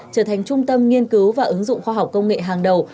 trở thành trung tâm nghiên cứu và ứng dụng khoa học công nghệ hàng đầu